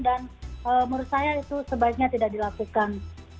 dan menurut saya itu sebaiknya tidak dilakukan